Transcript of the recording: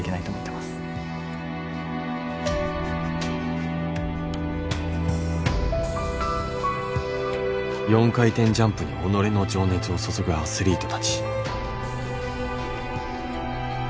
きっと４回転ジャンプに己の情熱を注ぐアスリートたち。